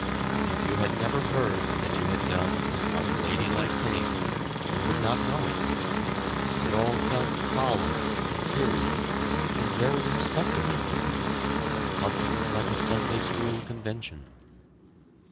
If you had never heard that you had done an unladylike thing you would not know it. It all felt solemn, and serious, and very respectable to you, something like a Sunday school convention.